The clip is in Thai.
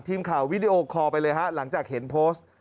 ทีมข่าววิดีโอคอล์ไปเลยหลังจากเห็นโพสต์